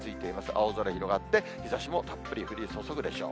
青空広がって、日ざしもたっぷり降り注ぐでしょう。